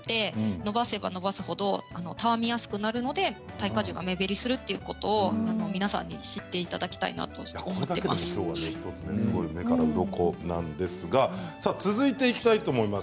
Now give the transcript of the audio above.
伸ばせば伸ばすほどたわみやすくなるので耐荷重が目減りするということを皆さんに知っていただきたいな目からうろこなんですが続いていきたいと思います。